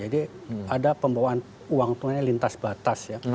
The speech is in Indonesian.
jadi ada pembawaan uang itu lintas batas ya